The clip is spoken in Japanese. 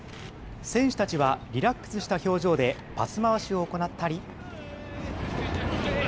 選手たちはリラックスした表情で、パス回しを行ったり。